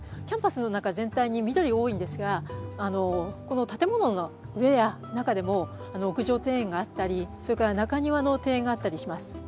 キャンパスの中全体に緑が多いんですがこの建物の上や中でも屋上庭園があったりそれから中庭の庭園があったりします。